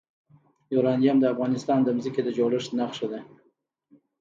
یورانیم د افغانستان د ځمکې د جوړښت نښه ده.